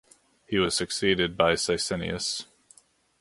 He was succeeded by Sisinnius.